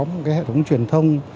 một cái hệ thống truyền thông